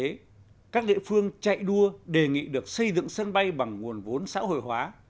vì thế các địa phương chạy đua đề nghị được xây dựng sân bay bằng nguồn vốn xã hội hóa